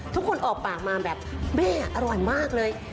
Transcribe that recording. ออกปากมาแบบแม่อร่อยมากเลย